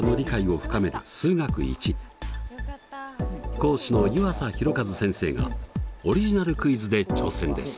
講師の湯浅弘一先生がオリジナルクイズで挑戦です。